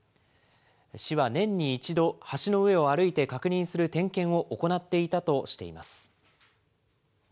市は年に１度、橋の上を歩いて確認する点検を行っていたとしています。